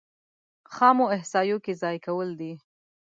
خامو احصایو کې ځای کول دي.